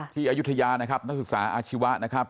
อายุทยานะครับนักศึกษาอาชีวะนะครับ